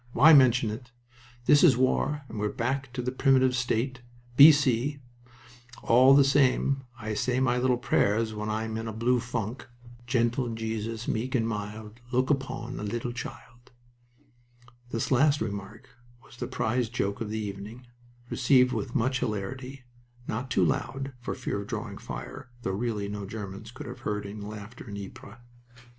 Why mention it? This is war, and we're back to the primitive state B.C. All the same, I say my little prayers when I'm in a blue funk. "Gentle Jesus, meek and mild, Look upon a little child." This last remark was the prize joke of the evening, received with much hilarity, not too loud, for fear of drawing fire though really no Germans could have heard any laughter in Ypres.